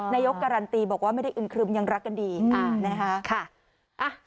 การันตีบอกว่าไม่ได้อึมครึมยังรักกันดีนะคะ